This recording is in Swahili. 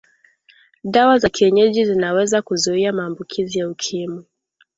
dawa za kienyeji zinaweza kuzuia maambukizi ya ukimwi